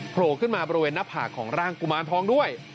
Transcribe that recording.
โผล่ขึ้นมาบริเวณหน้าผากของร่างกุมารทองด้วย